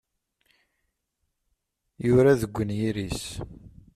Yura deg unyir-is.